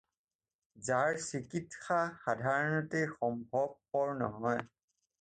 যাৰ চিকিৎসা সাধাৰণতেই সম্ভৱপৰ নহয়।